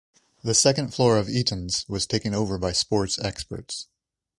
The second floor of Eaton's was taken over by Sports Experts.